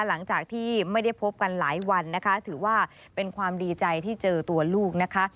หลังจากที่ไม่ได้พบกันหลายวันนะคะถือว่าเป็นความดีใจที่เจอตัวลูกนะคะ